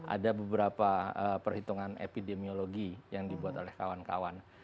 ada beberapa perhitungan epidemiologi yang dibuat oleh kawan kawan